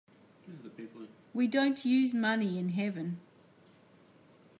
We don't use money in heaven.